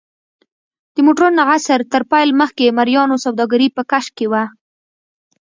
د موډرن عصر تر پیل مخکې مریانو سوداګري په کش کې وه.